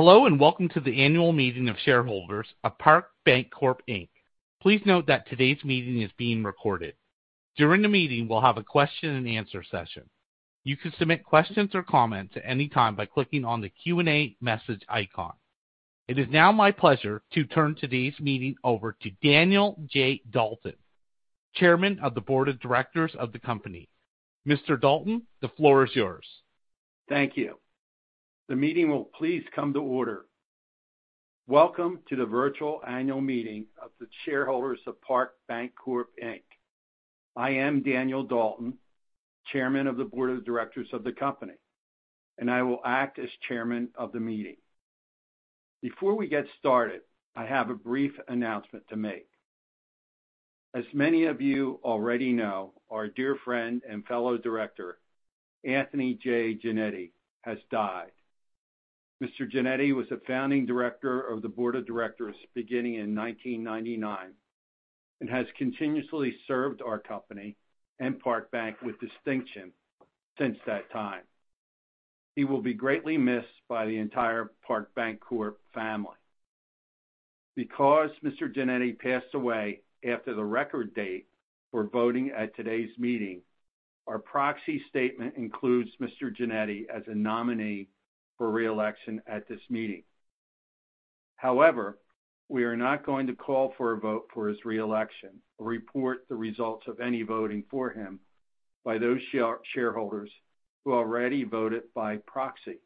Hello and welcome to the annual meeting of shareholders of Parke Bancorp, Inc. Please note that today's meeting is being recorded. During the meeting we'll have a Q&A session. You can submit questions or comments at any time by clicking on the Q&A message icon. It is now my pleasure to turn today's meeting over to Daniel J. Dalton, Chairman of the Board of Directors of the company. Mr. Dalton, the floor is yours. Thank you. The meeting will please come to order. Welcome to the virtual annual meeting of the shareholders of Parke Bancorp, Inc. I am Daniel Dalton, Chairman of the Board of Directors of the company, and I will act as Chairman of the meeting. Before we get started, I have a brief announcement to make. As many of you already know, our dear friend and fellow director, Anthony J. Jannetti, has died. Mr. Jannetti was the founding director of the Board of Directors beginning in 1999 and has continuously served our company and Parke Bank with distinction since that time. He will be greatly missed by the entire Parke Bancorp family. Because Mr. Jannetti passed away after the record date for voting at today's meeting, our proxy statement includes Mr. Jannetti as a nominee for reelection at this meeting. However, we are not going to call for a vote for his reelection or report the results of any voting for him by those shareholders who already voted by proxy.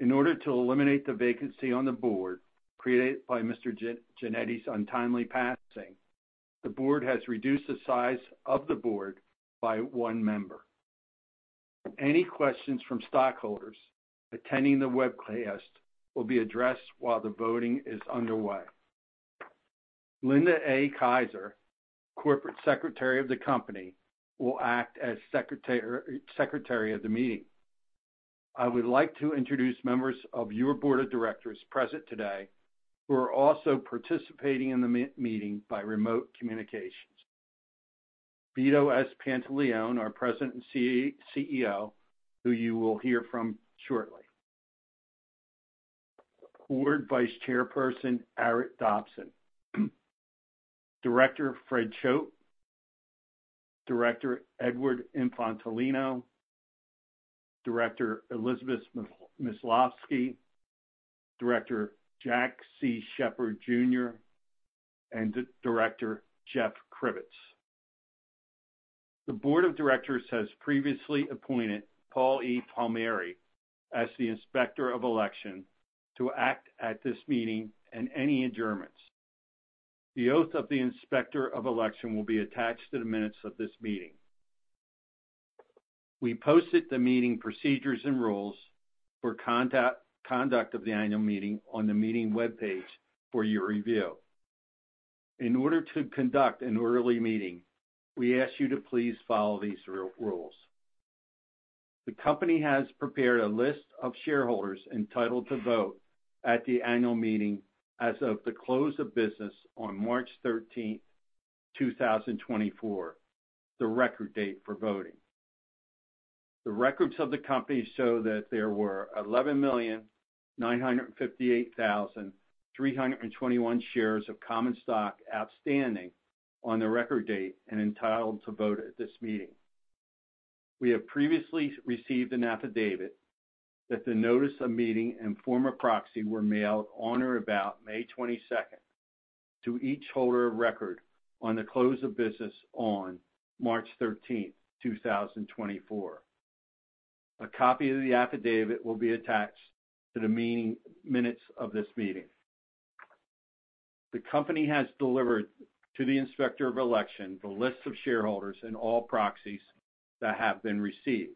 In order to eliminate the vacancy on the board created by Mr. Jannetti's untimely passing, the board has reduced the size of the board by one member. Any questions from stockholders attending the webcast will be addressed while the voting is underway. Linda A. Kaiser, Corporate Secretary of the company, will act as Secretary of the meeting. I would like to introduce members of your Board of Directors present today who are also participating in the meeting by remote communications. Vito S. Pantilione, our President and CEO, who you will hear from shortly. Board Vice Chairperson Arret Dobson. Director Fred Choate. Director Edward Infantolino. Director Elizabeth Milavsky. Director Jack C. Sheppard Jr. And Director Jeff Kripitz. The Board of Directors has previously appointed Paul E. Palmieri as the Inspector of Election to act at this meeting and any adjournments. The oath of the Inspector of Election will be attached to the minutes of this meeting. We posted the meeting procedures and rules for conduct of the annual meeting on the meeting webpage for your review. In order to conduct an early meeting, we ask you to please follow these rules. The company has prepared a list of shareholders entitled to vote at the annual meeting as of the close of business on March 13, 2024, the record date for voting. The records of the company show that there were 11,958,321 shares of common stock outstanding on the record date and entitled to vote at this meeting. We have previously received an affidavit that the notice of meeting and form of proxy were mailed on or about May 22nd to each holder of record on the close of business on March 13, 2024. A copy of the affidavit will be attached to the minutes of this meeting. The company has delivered to the Inspector of Election the list of shareholders and all proxies that have been received.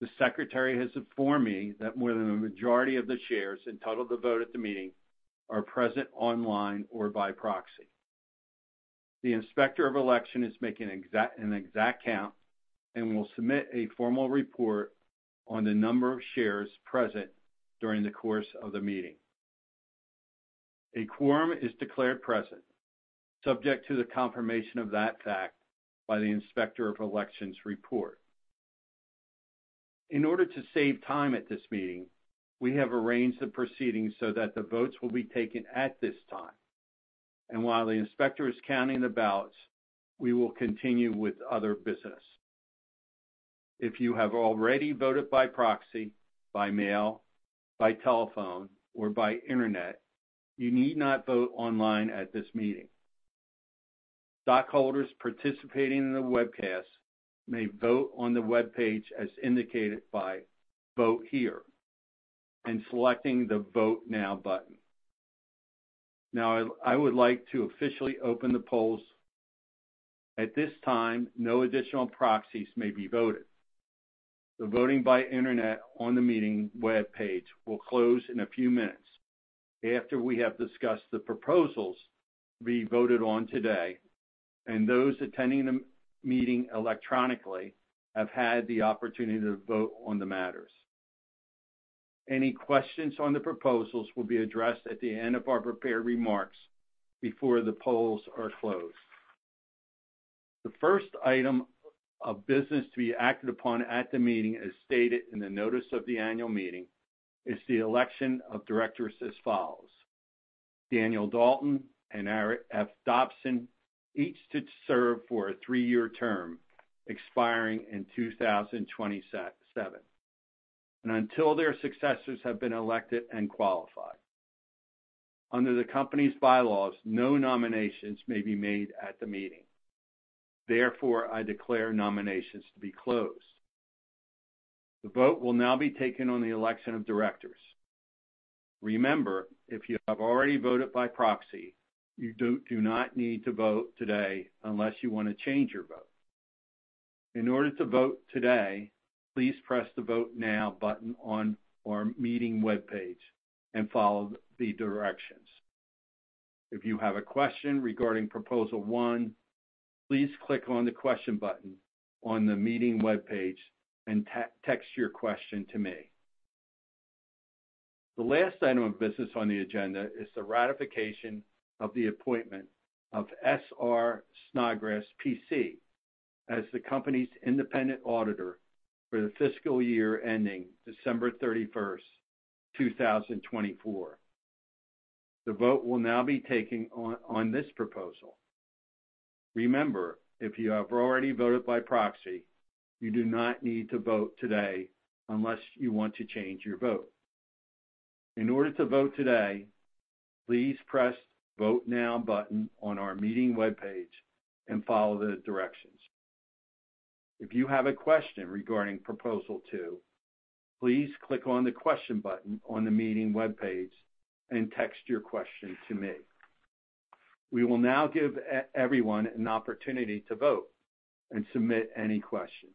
The Secretary has informed me that more than the majority of the shares entitled to vote at the meeting are present online or by proxy. The Inspector of Election is making an exact count and will submit a formal report on the number of shares present during the course of the meeting. A quorum is declared present, subject to the confirmation of that fact by the Inspector of Election's report. In order to save time at this meeting, we have arranged the proceedings so that the votes will be taken at this time. And while the Inspector is counting the ballots, we will continue with other business. If you have already voted by proxy, by mail, by telephone, or by internet, you need not vote online at this meeting. Stockholders participating in the webcast may vote on the webpage as indicated by "Vote Here" and selecting the "Vote Now" button. Now, I would like to officially open the polls. At this time, no additional proxies may be voted. The voting by internet on the meeting webpage will close in a few minutes after we have discussed the proposals to be voted on today, and those attending the meeting electronically have had the opportunity to vote on the matters. Any questions on the proposals will be addressed at the end of our prepared remarks before the polls are closed. The first item of business to be acted upon at the meeting, as stated in the notice of the annual meeting, is the election of directors as follows. Daniel Dalton and Arret F. Dobson each serve for a three-year term, expiring in 2027, and until their successors have been elected and qualified. Under the company's bylaws, no nominations may be made at the meeting. Therefore, I declare nominations to be closed. The vote will now be taken on the election of directors. Remember, if you have already voted by proxy, you do not need to vote today unless you want to change your vote. In order to vote today, please press the "Vote Now" button on our meeting webpage and follow the directions. If you have a question regarding Proposal 1, please click on the question button on the meeting webpage and text your question to me. The last item of business on the agenda is the ratification of the appointment of S.R. Snodgrass, P.C., as the company's independent auditor for the fiscal year ending December 31, 2024. The vote will now be taken on this proposal. Remember, if you have already voted by proxy, you do not need to vote today unless you want to change your vote. In order to vote today, please press the "Vote Now" button on our meeting webpage and follow the directions. If you have a question regarding Proposal 2, please click on the question button on the meeting webpage and text your question to me. We will now give everyone an opportunity to vote and submit any questions.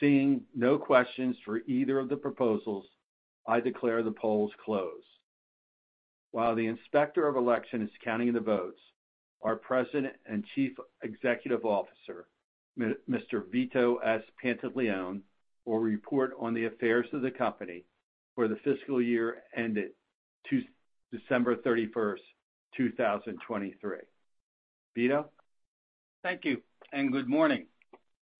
Seeing no questions for either of the proposals, I declare the polls closed. While the Inspector of Election is counting the votes, our President and Chief Executive Officer, Mr. Vito S. Pantilione, will report on the affairs of the company for the fiscal year ending December 31, 2023. Vito? Thank you and good morning.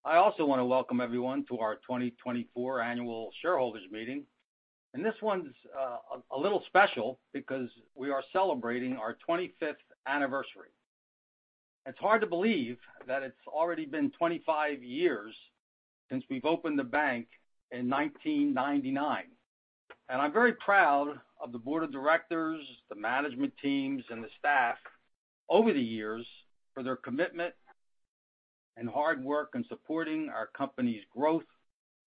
I also want to welcome everyone to our 2024 annual shareholders' meeting. This one's a little special because we are celebrating our 25th anniversary. It's hard to believe that it's already been 25 years since we've opened the bank in 1999. I'm very proud of the Board of Directors, the management teams, and the staff over the years for their commitment and hard work in supporting our company's growth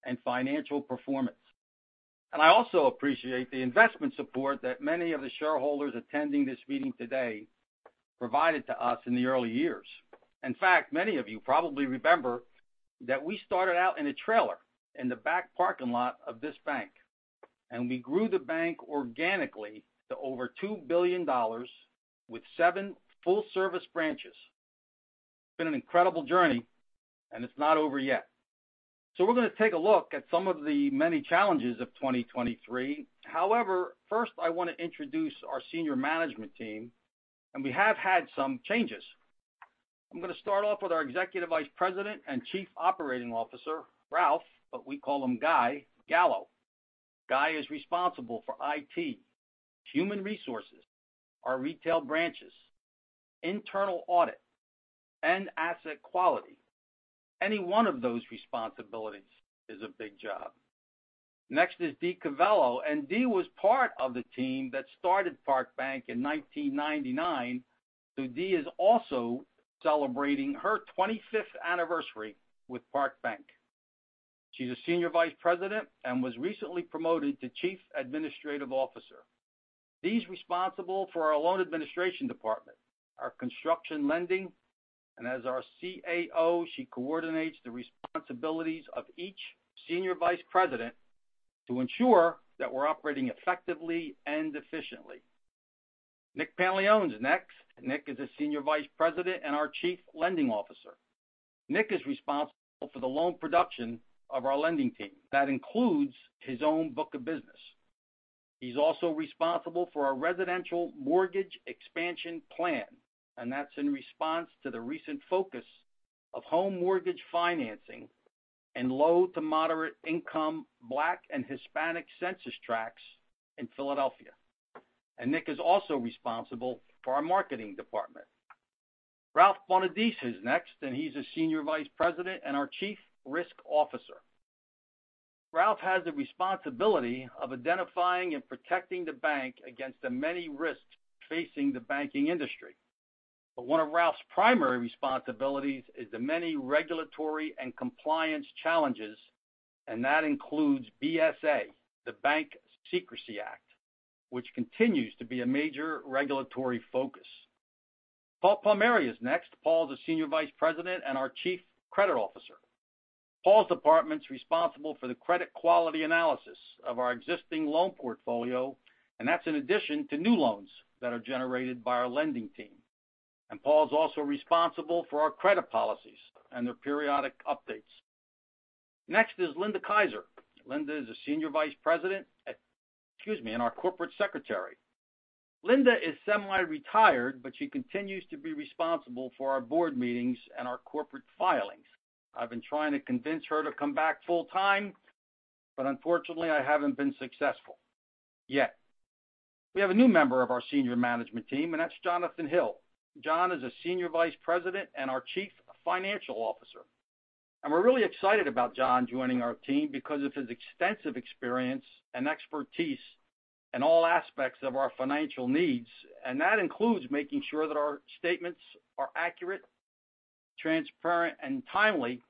and financial performance. I also appreciate the investment support that many of the shareholders attending this meeting today provided to us in the early years. In fact, many of you probably remember that we started out in a trailer in the back parking lot of this bank, and we grew the bank organically to over $2 billion with seven full-service branches. It's been an incredible journey, and it's not over yet. So we're going to take a look at some of the many challenges of 2023. However, first, I want to introduce our senior management team. And we have had some changes. I'm going to start off with our Executive Vice President and Chief Operating Officer, Ralph "Guy" Gallo. Guy is responsible for IT, human resources, our retail branches, internal audit, and asset quality. Any one of those responsibilities is a big job. Next is Dee Calvello. And Dee was part of the team that started Parke Bank in 1999. So Dee is also celebrating her 25th anniversary with Parke Bank. She's a Senior Vice President and was recently promoted to Chief Administrative Officer. Dee's responsible for our loan administration department, our construction lending, and as our CAO, she coordinates the responsibilities of each Senior Vice President to ensure that we're operating effectively and efficiently. Nick Pantilione is next. Nick is a Senior Vice President and our Chief Lending Officer. Nick is responsible for the loan production of our lending team. That includes his own book of business. He's also responsible for our Residential Mortgage Expansion Plan. That's in response to the recent focus of home mortgage financing in low-to-moderate-income Black and Hispanic census tracts in Philadelphia. Nick is also responsible for our marketing department. Ralph Bonadies is next. He's a Senior Vice President and our Chief Risk Officer. Ralph has the responsibility of identifying and protecting the bank against the many risks facing the banking industry. One of Ralph's primary responsibilities is the many regulatory and compliance challenges. That includes BSA, the Bank Secrecy Act, which continues to be a major regulatory focus. Paul Palmieri is next. Paul's a Senior Vice President and our Chief Credit Officer. Paul's department's responsible for the credit quality analysis of our existing loan portfolio. And that's in addition to new loans that are generated by our lending team. And Paul's also responsible for our credit policies and their periodic updates. Next is Linda Kaiser. Linda is a Senior Vice President, excuse me, and our Corporate Secretary. Linda is semi-retired, but she continues to be responsible for our board meetings and our corporate filings. I've been trying to convince her to come back full-time, but unfortunately, I haven't been successful yet. We have a new member of our senior management team. And that's Jonathan Hill. John is a Senior Vice President and our Chief Financial Officer. And we're really excited about John joining our team because of his extensive experience and expertise in all aspects of our financial needs. That includes making sure that our statements are accurate, transparent, and timely.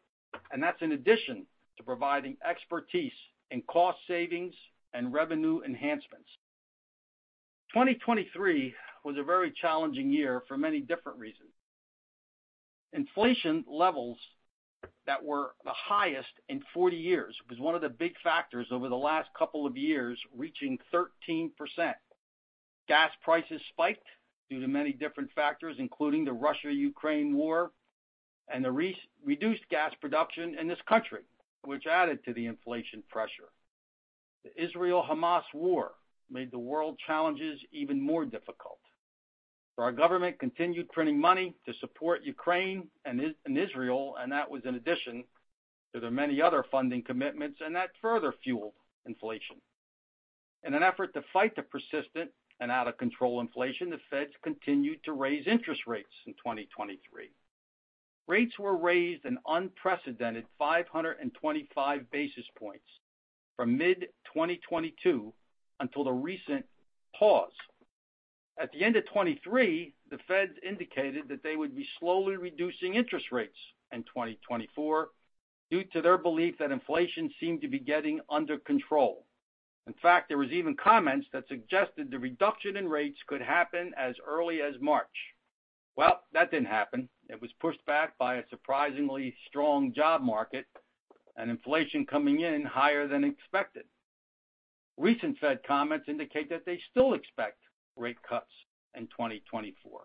And that's in addition to providing expertise in cost savings and revenue enhancements. 2023 was a very challenging year for many different reasons. Inflation levels that were the highest in 40 years was one of the big factors over the last couple of years reaching 13%. Gas prices spiked due to many different factors, including the Russia-Ukraine war and the reduced gas production in this country, which added to the inflation pressure. The Israel-Hamas war made the world challenges even more difficult. So our government continued printing money to support Ukraine and Israel. And that was in addition to the many other funding commitments. And that further fueled inflation. In an effort to fight the persistent and out-of-control inflation, the Feds continued to raise interest rates in 2023. Rates were raised an unprecedented 525 basis points from mid-2022 until the recent pause. At the end of 2023, the Feds indicated that they would be slowly reducing interest rates in 2024 due to their belief that inflation seemed to be getting under control. In fact, there were even comments that suggested the reduction in rates could happen as early as March. Well, that didn't happen. It was pushed back by a surprisingly strong job market and inflation coming in higher than expected. Recent Fed comments indicate that they still expect rate cuts in 2024.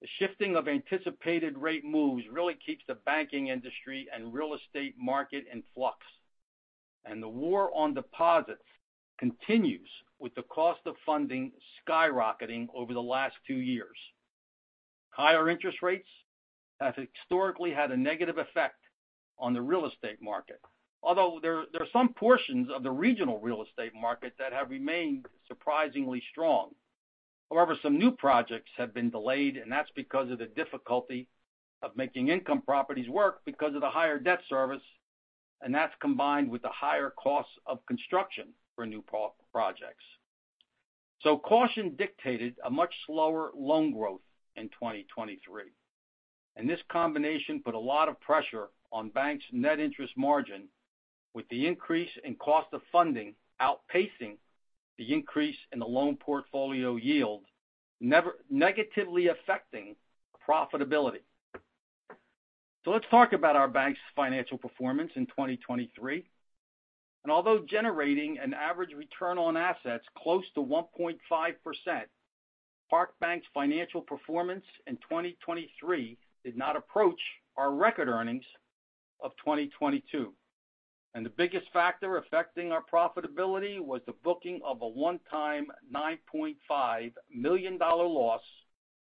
The shifting of anticipated rate moves really keeps the banking industry and real estate market in flux. The war on deposits continues, with the cost of funding skyrocketing over the last two years. Higher interest rates have historically had a negative effect on the real estate market, although there are some portions of the regional real estate market that have remained surprisingly strong. However, some new projects have been delayed. That's because of the difficulty of making income properties work because of the higher debt service. That's combined with the higher costs of construction for new projects. Caution dictated a much slower loan growth in 2023. This combination put a lot of pressure on banks' net interest margin, with the increase in cost of funding outpacing the increase in the loan portfolio yield, never negatively affecting profitability. Let's talk about our bank's financial performance in 2023. Although generating an average return on assets close to 1.5%, Parke Bank's financial performance in 2023 did not approach our record earnings of 2022. The biggest factor affecting our profitability was the booking of a one-time $9.5 million loss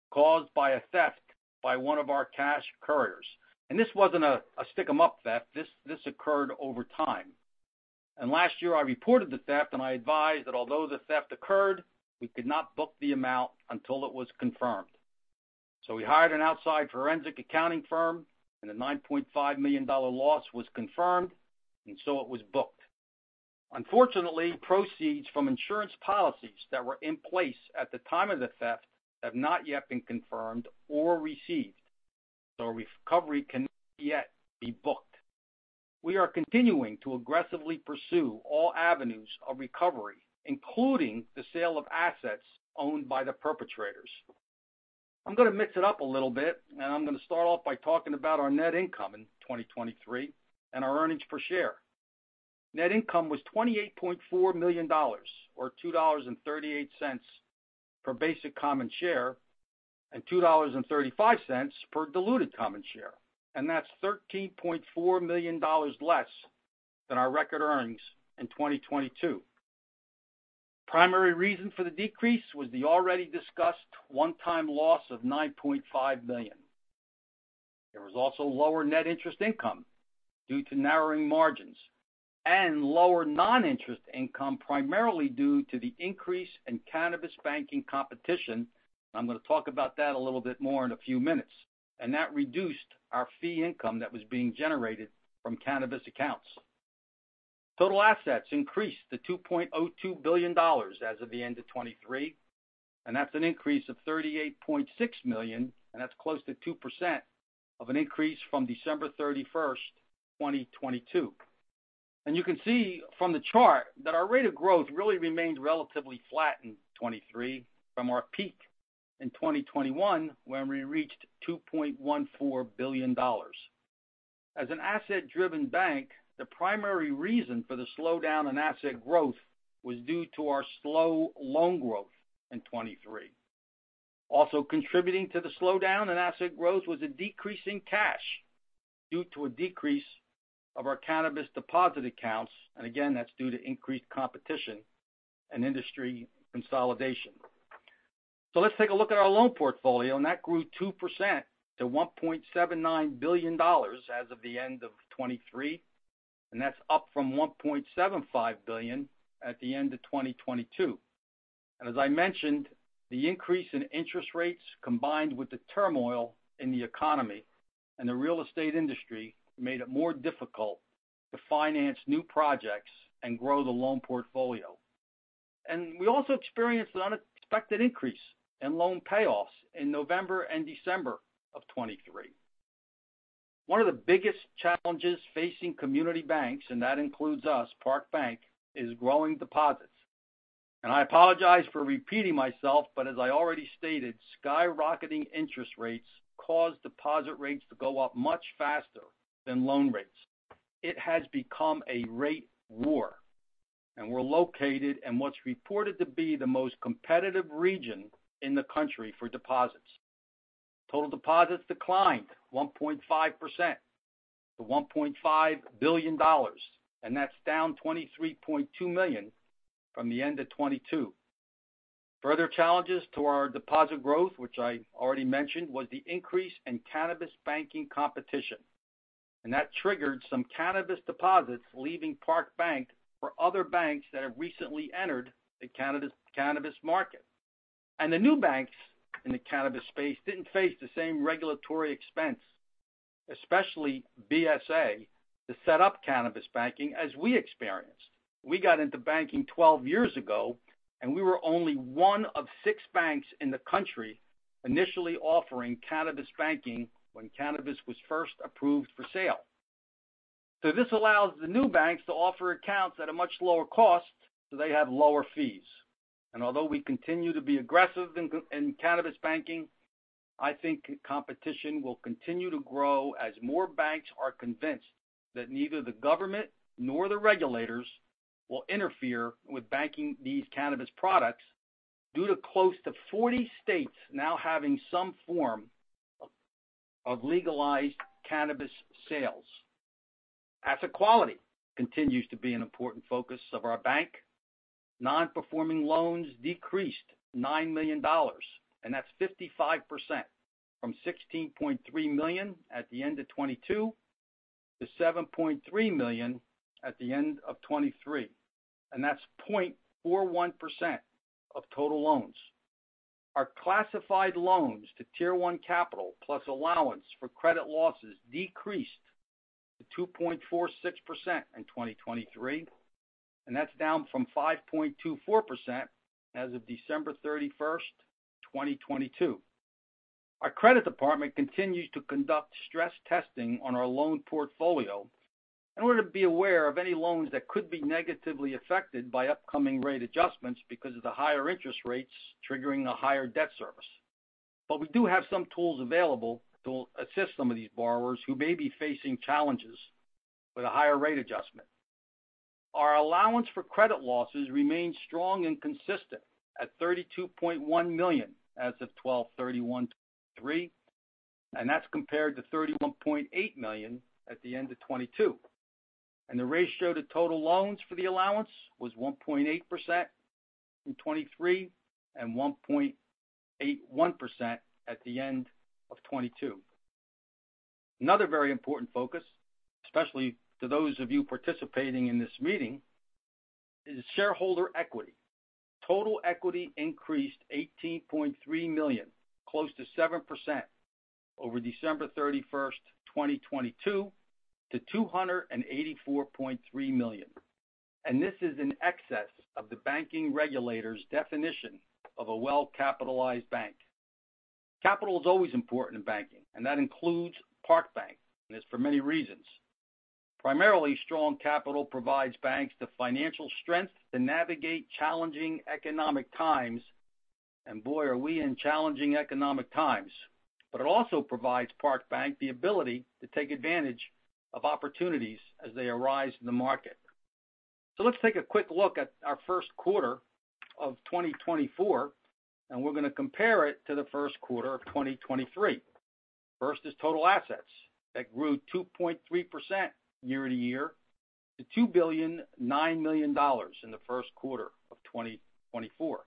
caused by a theft by one of our cash couriers. This wasn't a stick-em-up theft. This occurred over time. Last year, I reported the theft. I advised that although the theft occurred, we could not book the amount until it was confirmed. We hired an outside forensic accounting firm. The $9.5 million loss was confirmed. It was booked. Unfortunately, proceeds from insurance policies that were in place at the time of the theft have not yet been confirmed or received. Recovery cannot yet be booked. We are continuing to aggressively pursue all avenues of recovery, including the sale of assets owned by the perpetrators. I'm going to mix it up a little bit. I'm going to start off by talking about our net income in 2023 and our earnings per share. Net income was $28.4 million, or $2.38 per basic common share and $2.35 per diluted common share. That's $13.4 million less than our record earnings in 2022. Primary reason for the decrease was the already discussed one-time loss of $9.5 million. There was also lower net interest income due to narrowing margins and lower non-interest income, primarily due to the increase in cannabis banking competition. I'm going to talk about that a little bit more in a few minutes. That reduced our fee income that was being generated from cannabis accounts. Total assets increased to $2.02 billion as of the end of 2023. That's an increase of $38.6 million. That's close to 2% of an increase from December 31, 2022. You can see from the chart that our rate of growth really remained relatively flat in 2023 from our peak in 2021, when we reached $2.14 billion. As an asset-driven bank, the primary reason for the slowdown in asset growth was due to our slow loan growth in 2023. Also contributing to the slowdown in asset growth was a decrease in cash due to a decrease of our cannabis deposit accounts. Again, that's due to increased competition and industry consolidation. Let's take a look at our loan portfolio. That grew 2% to $1.79 billion as of the end of 2023. That's up from $1.75 billion at the end of 2022. As I mentioned, the increase in interest rates, combined with the turmoil in the economy and the real estate industry, made it more difficult to finance new projects and grow the loan portfolio. We also experienced an unexpected increase in loan payoffs in November and December of 2023. One of the biggest challenges facing community banks, and that includes us, Parke Bank, is growing deposits. I apologize for repeating myself. But as I already stated, skyrocketing interest rates caused deposit rates to go up much faster than loan rates. It has become a rate war. We're located in what's reported to be the most competitive region in the country for deposits. Total deposits declined 1.5% to $1.5 billion. That's down $23.2 million from the end of 2022. Further challenges to our deposit growth, which I already mentioned, was the increase in cannabis banking competition. That triggered some cannabis deposits leaving Parke Bank for other banks that have recently entered the cannabis market. The new banks in the cannabis space didn't face the same regulatory expense, especially BSA, to set up cannabis banking, as we experienced. We got into banking 12 years ago. We were only one of six banks in the country initially offering cannabis banking when cannabis was first approved for sale. This allows the new banks to offer accounts at a much lower cost. They have lower fees. Although we continue to be aggressive in cannabis banking, I think competition will continue to grow as more banks are convinced that neither the government nor the regulators will interfere with banking these cannabis products due to close to 40 states now having some form of legalized cannabis sales. Asset quality continues to be an important focus of our bank. Non-performing loans decreased $9 million. And that's 55% from $16.3 million at the end of 2022 to $7.3 million at the end of 2023. And that's 0.41% of total loans. Our classified loans to Tier 1 Capital plus allowance for credit losses decreased to 2.46% in 2023. And that's down from 5.24% as of December 31, 2022. Our credit department continues to conduct stress testing on our loan portfolio in order to be aware of any loans that could be negatively affected by upcoming rate adjustments because of the higher interest rates triggering a higher debt service. But we do have some tools available to assist some of these borrowers who may be facing challenges with a higher rate adjustment. Our allowance for credit losses remained strong and consistent at $32.1 million as of 12/31/2023. And that's compared to $31.8 million at the end of 2022. The ratio to total loans for the allowance was 1.8% in 2023 and 1.81% at the end of 2022. Another very important focus, especially to those of you participating in this meeting, is shareholder equity. Total equity increased $18.3 million, close to 7%, over December 31, 2022, to $284.3 million. And this is in excess of the banking regulator's definition of a well-capitalized bank. Capital is always important in banking. And that includes Parke Bank. And it's for many reasons. Primarily, strong capital provides banks the financial strength to navigate challenging economic times. And boy, are we in challenging economic times. But it also provides Parke Bank the ability to take advantage of opportunities as they arise in the market. So let's take a quick look at our first quarter of 2024. And we're going to compare it to the first quarter of 2023. First is total assets. That grew 2.3% year-over-year to $2.009 billion in the first quarter of 2024.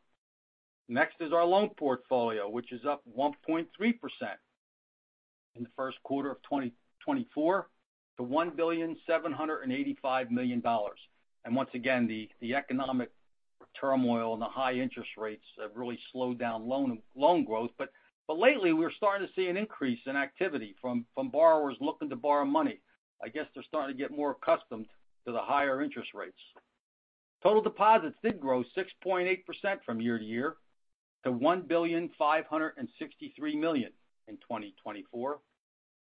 Next is our loan portfolio, which is up 1.3% in the first quarter of 2024 to $1.785 billion. And once again, the economic turmoil and the high interest rates have really slowed down loan growth. But lately, we're starting to see an increase in activity from borrowers looking to borrow money. I guess they're starting to get more accustomed to the higher interest rates. Total deposits did grow 6.8% year-over-year to $1.563 billion in 2024.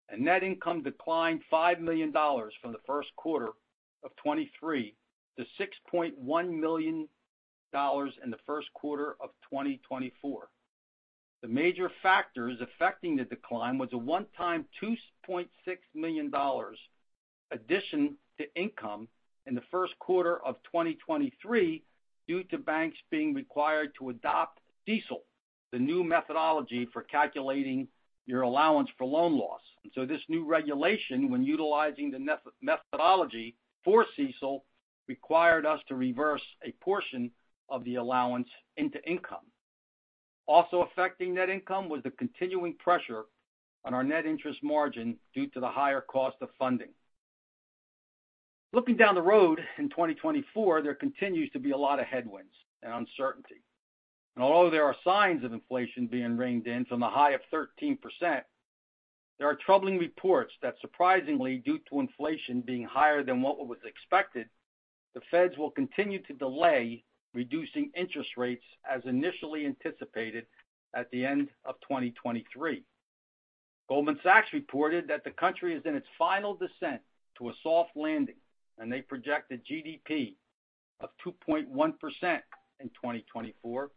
And net income declined $5 million from the first quarter of 2023 to $6.1 million in the first quarter of 2024. The major factors affecting the decline was a one-time $2.6 million addition to income in the first quarter of 2023 due to banks being required to adopt CECL, the new methodology for calculating your allowance for loan loss. So this new regulation, when utilizing the methodology for CECL, required us to reverse a portion of the allowance into income. Also affecting net income was the continuing pressure on our net interest margin due to the higher cost of funding. Looking down the road in 2024, there continues to be a lot of headwinds and uncertainty. Although there are signs of inflation being reined in from the high of 13%, there are troubling reports that, surprisingly, due to inflation being higher than what was expected, the Feds will continue to delay reducing interest rates as initially anticipated at the end of 2023. Goldman Sachs reported that the country is in its final descent to a soft landing. They project a GDP of 2.1% in 2024.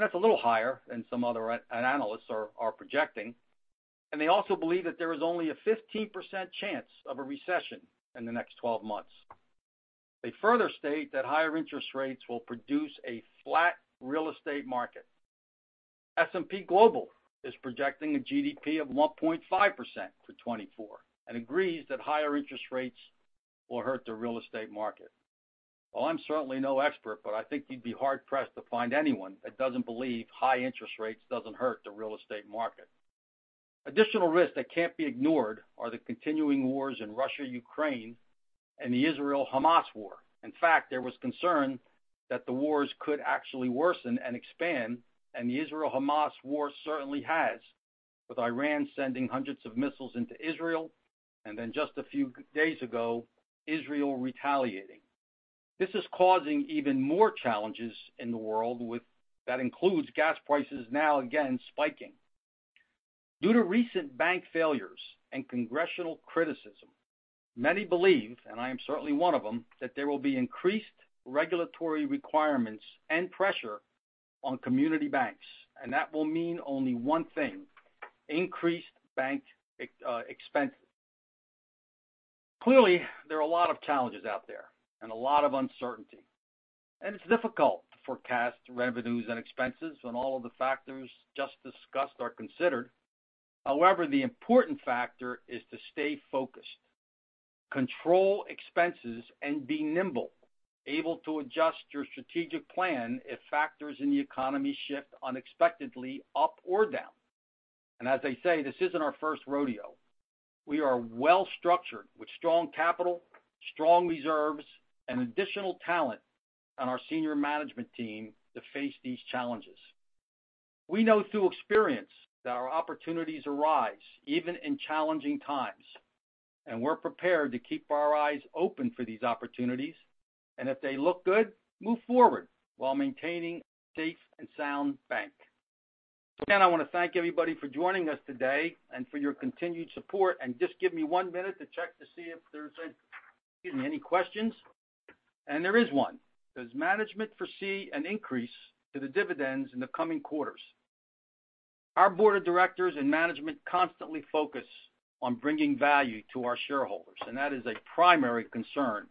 That's a little higher than some other analysts are projecting. They also believe that there is only a 15% chance of a recession in the next 12 months. They further state that higher interest rates will produce a flat real estate market. S&P Global is projecting a GDP of 1.5% for 2024 and agrees that higher interest rates will hurt the real estate market. Well, I'm certainly no expert. I think you'd be hard-pressed to find anyone that doesn't believe high interest rates don't hurt the real estate market. Additional risks that can't be ignored are the continuing wars in Russia-Ukraine and the Israel-Hamas war. In fact, there was concern that the wars could actually worsen and expand. The Israel-Hamas war certainly has, with Iran sending hundreds of missiles into Israel. Then, just a few days ago, Israel retaliating. This is causing even more challenges in the world, with that includes gas prices now again spiking. Due to recent bank failures and congressional criticism, many believe, and I am certainly one of them, that there will be increased regulatory requirements and pressure on community banks. That will mean only one thing, increased bank expenses. Clearly, there are a lot of challenges out there and a lot of uncertainty. It's difficult to forecast revenues and expenses when all of the factors just discussed are considered. However, the important factor is to stay focused, control expenses, and be nimble, able to adjust your strategic plan if factors in the economy shift unexpectedly up or down. As they say, this isn't our first rodeo. We are well-structured with strong capital, strong reserves, and additional talent on our senior management team to face these challenges. We know through experience that our opportunities arise even in challenging times. We're prepared to keep our eyes open for these opportunities. If they look good, move forward while maintaining a safe and sound bank. Again, I want to thank everybody for joining us today and for your continued support. Just give me one minute to check to see if there's any, excuse me, any questions. There is one. Does management foresee an increase to the dividends in the coming quarters? Our board of directors and management constantly focus on bringing value to our shareholders. That is a primary concern.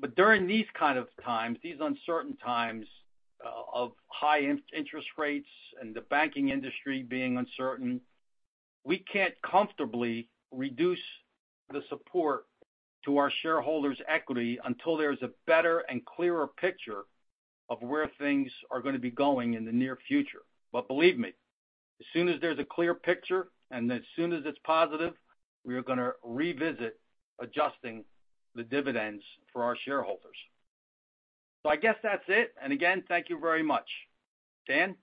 But during these kind of times, these uncertain times of high interest rates and the banking industry being uncertain, we can't comfortably reduce the support to our shareholders' equity until there is a better and clearer picture of where things are going to be going in the near future. But believe me, as soon as there's a clear picture and as soon as it's positive, we are going to revisit adjusting the dividends for our shareholders. So I guess that's it. And again, thank you very much. Dan?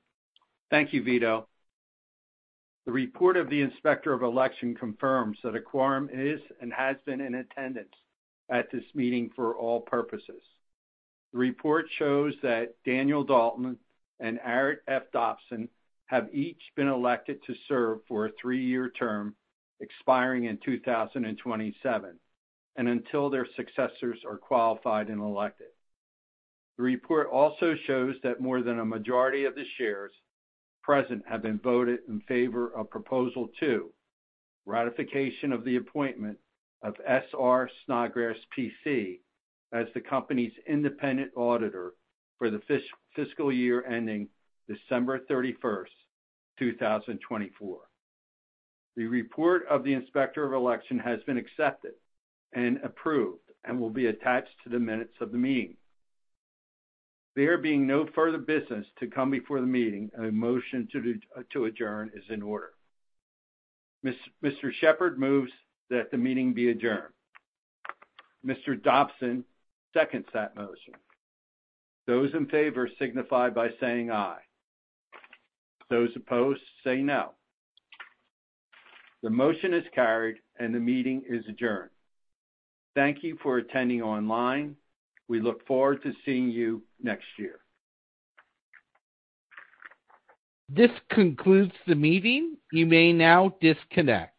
Thank you, Vito. The report of the Inspector of Election confirms that quorum is and has been in attendance at this meeting for all purposes. The report shows that Daniel Dalton and Arret F. Dobson have each been elected to serve for a three-year term, expiring in 2027 and until their successors are qualified and elected. The report also shows that more than a majority of the shares present have been voted in favor of Proposal 2, ratification of the appointment of S.R. Snodgrass, P.C., as the company's independent auditor for the fiscal year ending December 31, 2024. The report of the inspector of election has been accepted and approved and will be attached to the minutes of the meeting. There being no further business to come before the meeting, a motion to adjourn is in order. Mr. Sheppard moves that the meeting be adjourned. Mr. Dobson seconds that motion. Those in favor signify by saying aye. Those opposed say no. The motion is carried and the meeting is adjourned. Thank you for attending online. We look forward to seeing you next year. This concludes the meeting. You may now disconnect.